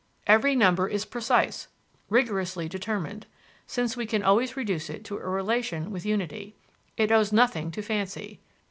Every number is precise, rigorously determined, since we can always reduce it to a relation with unity; it owes nothing to fancy.